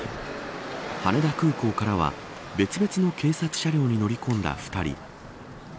羽田空港からは別々の警察車両に乗り込んだ２人。